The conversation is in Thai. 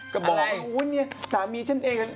ก็บอกสามีฉันเอง